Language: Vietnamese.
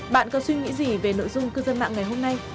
bạn có suy nghĩ gì về nội dung cư dân mạng ngày hôm nay